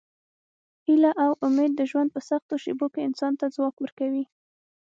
هیله او امید د ژوند په سختو شېبو کې انسان ته ځواک ورکوي.